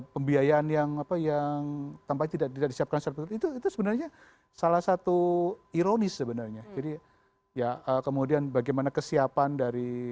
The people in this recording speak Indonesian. pembiayaan yang apa yang tampaknya tidak disiapkan seperti itu itu sebenarnya salah satu ironis sebenarnya jadi ya kemudian bagaimana kesiapan dari